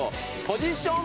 ポジション？